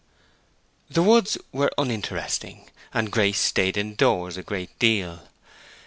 The woods were uninteresting, and Grace stayed in doors a great deal.